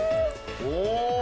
お！